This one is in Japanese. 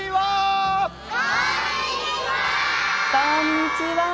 こんにちはー。